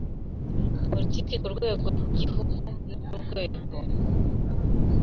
Politiki ku rwego rw igihugu no ku rwego